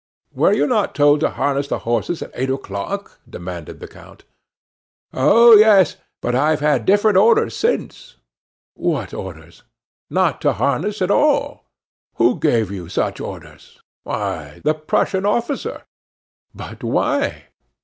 "Were you not told to harness the horses at eight o'clock?" demanded the count. "Oh, yes; but I've had different orders since." "What orders?" "Not to harness at all." "Who gave you such orders?" "Why, the Prussian officer." "But why?"